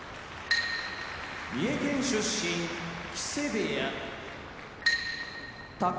三重県出身木瀬部屋宝